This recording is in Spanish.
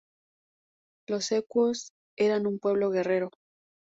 Los ecuos eran un pueblo guerrero.